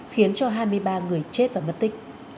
khiến cho hai mươi ba người chết và mất tích